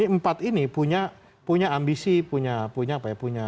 empat ini punya ambisi punya apa ya